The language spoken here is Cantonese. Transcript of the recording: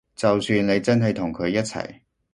就算你真係同佢一齊